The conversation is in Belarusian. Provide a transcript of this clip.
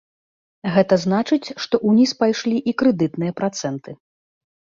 Гэта значыць, што ўніз пайшлі і крэдытныя працэнты.